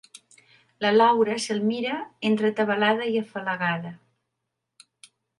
La Laura se'l mira, entre atabalada i afalagada.